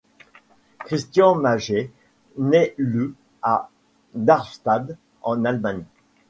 Christian Mager naît le à Darmstadt en Allemagne.